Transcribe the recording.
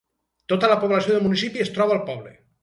Tota la població del municipi es troba al poble.